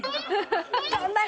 頑張れ！